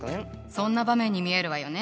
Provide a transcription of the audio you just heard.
そんな場面に見えるわよね。